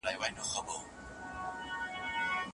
د صابرانو سره خدای ج ملګری وي.